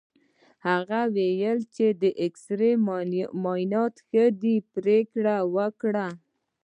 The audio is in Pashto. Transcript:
هغه وویل چې د اېکسرې معاینه ښه ده، پرېکړه یې وکړه.